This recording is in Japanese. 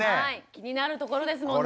気になるところですもんね。